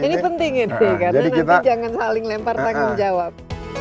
ini penting ini karena nanti jangan saling lempar tanggung jawab